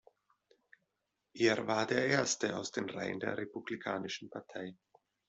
Er war der erste aus den Reihen der Republikanischen Partei.